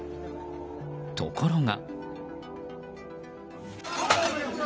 ところが。